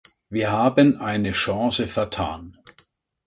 Wir haben eine Chance vertan.